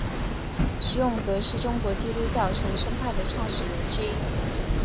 徐永泽是中国基督教重生派的创始人之一。